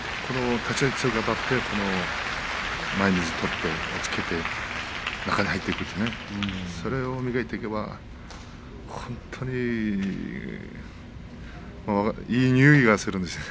立ち合い強くあたって前に出て押っつけて中に入っていくというねそれを磨いていけば、若隆景はいいにおいがするんですよね。